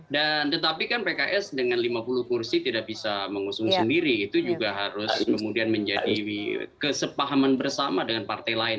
dan tetapi kan pks dengan lima puluh kursi tidak bisa mengusung sendiri itu juga harus kemudian menjadi kesepahaman bersama dengan partai lain